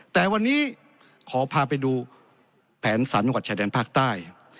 แต่วันนี้ขอพาไปดูแผน๓จังหวัดชายแดนภาคใต้